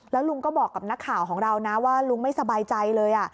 แล้วลุงก็บอกกับนักข่าวของเรานะว่าลุงไม่สบายใจเลย